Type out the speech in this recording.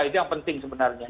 itu yang penting sebenarnya